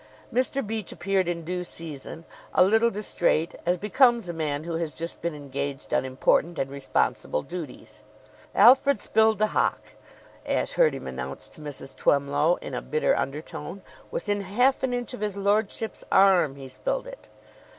Mr. Beach appeared in due season, a little distrait, as becomes a man who has just been engaged on important and responsible duties. "Alfred spilled the hock!" Ashe heard him announce to Mrs. Twemlow in a bitter undertone. "Within half an inch of his lordship's arm he spilled it."